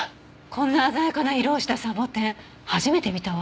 こんな鮮やかな色をしたサボテン初めて見たわ！